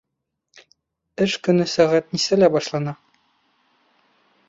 Эш көнө сәғәт нисәлә башлана?